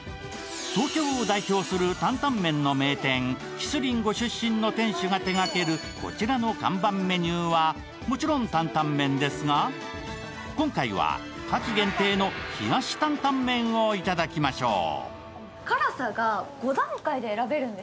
東京を代表する担々麺の名店希須林ご出身の店主が手がける、こちらの看板メニューは、もちろん坦々麺ですが、今回は夏季限定の冷やし担々麺をいただきましょう。